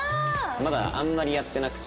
まだあんまりやってなくて。